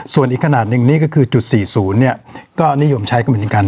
ส่วนอีกขนาดหนึ่งนี่ก็คือจุดสี่ศูนย์เนี่ยก็นิยมใช้กันเหมือนกัน